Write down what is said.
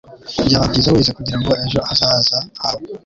Byaba byiza wize kugirango ejo hazaza hawe.